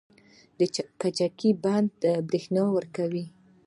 د کجکي بند بریښنا ورکوي